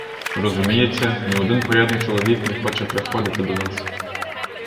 Розуміється, ні один порядний чоловік не хоче приходити до нас.